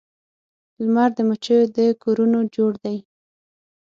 لمر د مچېو د کورونو جوړ دی